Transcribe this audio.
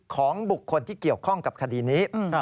ของบุคคลที่เกี่ยวข้องกับคดีนี้